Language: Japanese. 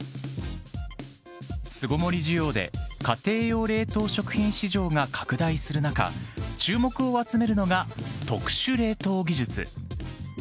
巣ごもり需要で家庭用冷凍食品市場が拡大する中、注目を集めるのが特殊冷凍技術。